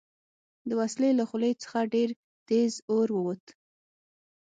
د وسلې له خولې څخه ډېر تېز اور ووت